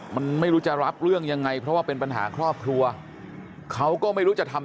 มันไม่รู้จะรับเรื่องยังไงเพราะว่าเป็นปัญหาครอบครัวเขาก็ไม่รู้จะทำ